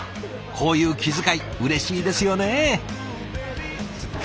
こういう気遣いうれしいですよね！